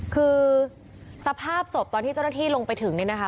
คือสภาพศพตอนที่เจ้าหน้าที่ลงไปถึงเนี่ยนะคะ